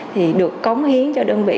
thì được cống hiến cho đơn vị